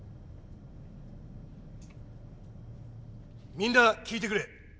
みんな聞いてくれ。